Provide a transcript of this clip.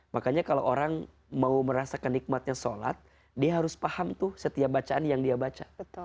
makanya kalau orang mau merasakan nikmatnya sholat dia harus paham tuh setiap bacaan yang dia baca